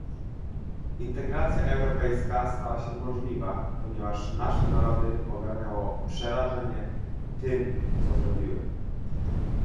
Integracja europejska stała się możliwa, ponieważ nasze narody ogarnęło przerażenie tym, co zrobiły